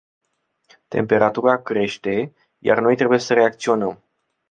Temperatura crește, iar noi trebuie să reacționăm.